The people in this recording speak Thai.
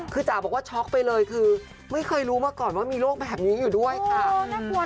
คือจ๋าบอกว่าช็อกไปเลยคือไม่เคยรู้มาก่อนว่ามีโรคแบบนี้อยู่ด้วยค่ะ